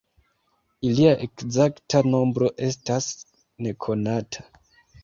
Ilia ekzakta nombro estas nekonata.